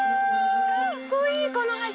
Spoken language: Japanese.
かっこいいこの橋。